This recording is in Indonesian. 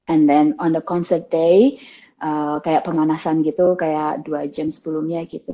and then on the concert day kayak penganasan gitu kayak dua jam sebelumnya gitu